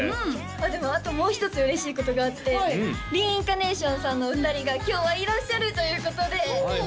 あっでもあともう一つ嬉しいことがあってＲｅ：ＩＮＣＡＲＮＡＴＩＯＮさんのお二人が今日はいらっしゃるということではい